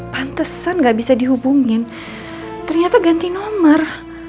pantesan gak bisa dihubungin ternyata ganti nomor